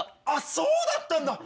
そうだったんだ。